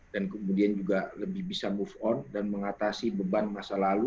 dan kemudian juga lebih bisa move on dan mengatasi beban masa lalu